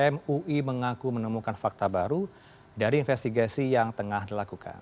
mui mengaku menemukan fakta baru dari investigasi yang tengah dilakukan